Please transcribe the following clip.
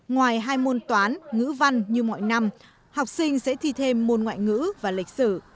ngoài hai môn toán ngữ văn như mọi năm học sinh sẽ thi thêm môn ngoại ngữ và lịch sử